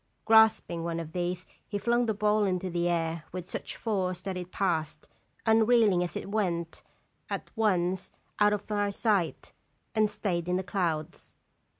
Grasping one of these, he flung the ball into the air with such force that it passed, unreeling as it went, at once out of our sight and stayed in the clouds.